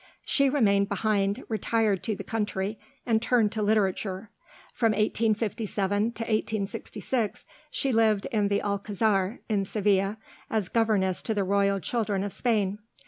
She remained behind, retired to the country, and turned to literature. From 1857 to 1866 she lived in the Alcazar in Seville, as governess to the royal children of Spain.